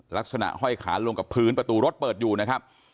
ห้อยขาลงกับพื้นประตูรถเปิดอยู่นะครับ